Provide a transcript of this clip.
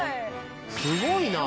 「すごいな」